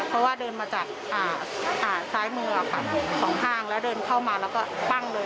เพราะว่าเดินมาจากซ้ายมือค่ะสองห้างแล้วเดินเข้ามาแล้วก็ปั้งเลย